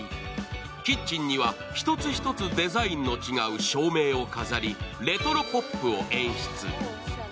キッチンには一つ一つデザインの違う照明を飾りレトロポップを演出。